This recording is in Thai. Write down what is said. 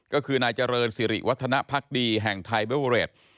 ก็คือนายเจริญสิริวัฒนภักดีแห่งไทยเบเวอเรด